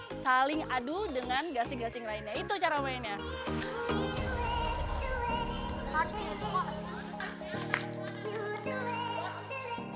dengan gasing gasing lainnya itu cara mainnya